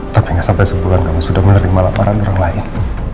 tapi nggak sampai sebulan kamu sudah menerima laporan orang lain